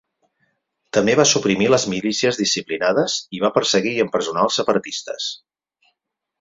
També va suprimir les milícies disciplinades i va perseguir i empresonar als separatistes.